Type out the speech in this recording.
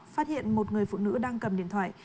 phát hiện một người phụ nữ đang cầm điện thoại